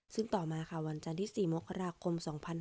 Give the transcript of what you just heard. ซึ่งต่อมาค่ะวันจันทร์ที่๔มกราคม๒๕๖๒